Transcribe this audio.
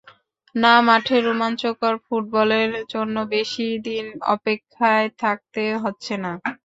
না, মাঠের রোমাঞ্চকর ফুটবলের জন্য বেশি দিন অপেক্ষায় থাকতে হচ্ছে না।